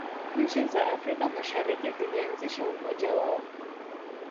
nchi za afrika mashariki zilianzisha umoja wao